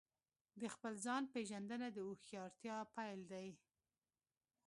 د خپل ځان پېژندنه د هوښیارتیا پیل دی.